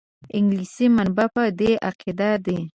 انګلیسي منابع په دې عقیده دي.